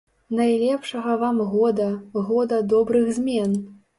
Найлепшага вам года, года добрых змен!